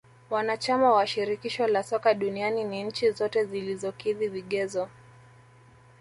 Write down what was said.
Wanachama wa shirikisho la soka duniani ni nchi zote zilizokidhi vigezo